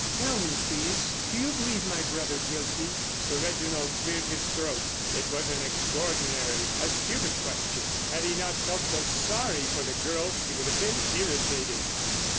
"Tell me, please, do you believe my brother guilty?" Sir Reginald cleared his throat. It was an extraordinary, a stupid question. Had he not felt so sorry for the girl, he would have been irritated.